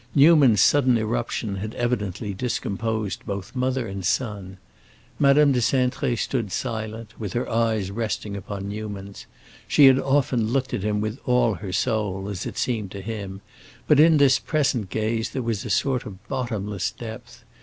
Newman's sudden irruption had evidently discomposed both mother and son. Madame de Cintré stood silent, with her eyes resting upon Newman's. She had often looked at him with all her soul, as it seemed to him; but in this present gaze there was a sort of bottomless depth.